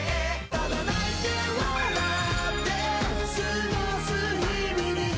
「ただ泣いて笑って過ごす日々に」